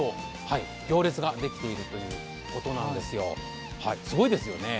行列ができているということなんですよ、すごいですね。